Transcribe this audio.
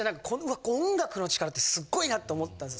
音楽の力ってすごいなって思ったんです。